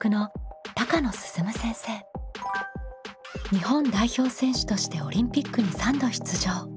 日本代表選手としてオリンピックに３度出場。